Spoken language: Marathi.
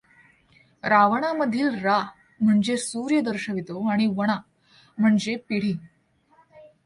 रावणामधील रा म्हणजे सूर्य दर्शवितो आणि वणा म्हणजे पिढी